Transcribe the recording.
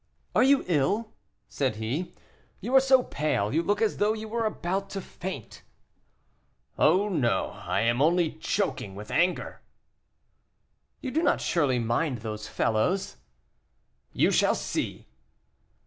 "Are you ill?" said he, "you are so pale; you look as though you were about to faint." "No, I am only choking with anger." "You do not surely mind those fellows?" "You shall see."